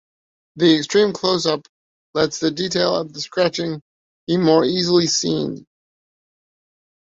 An extreme close up lets the detail of the scratching be more easily seen.